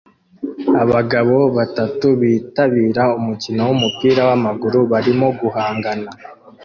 Abagabo batatu bitabira umukino wumupira wamaguru barimo guhangana